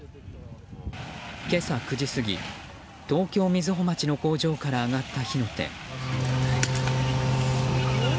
今朝９時過ぎ、東京・瑞穂町の工場から上がった火の手。